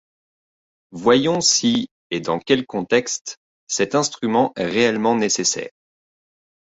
Voyons si, et dans quel contexte, cet instrument est réellement nécessaire.